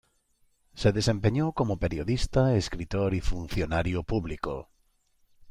Se desempeñó como periodista, escritor y funcionario público.